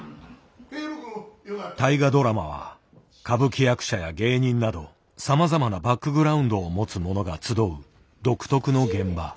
大河ドラマは歌舞伎役者や芸人などさまざまなバックグラウンドを持つ者が集う独特の現場。